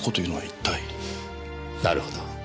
なるほど。